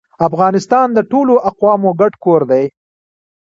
افغانستان د ټولو اقوامو ګډ کور دی